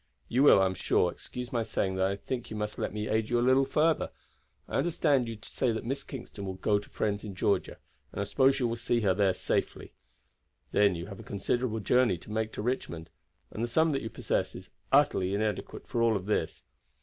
You will, I am sure, excuse my saying that I think you must let me aid you a little further. I understand you to say that Miss Kingston will go to friends in Georgia, and I suppose you will see her safely there. Then you have a considerable journey to make to Richmond, and the sum that you possess is utterly inadequate for all this.